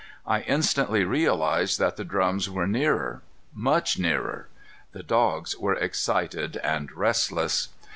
I instantly realized that the drums were nearer, much nearer. The dogs were excited and restless.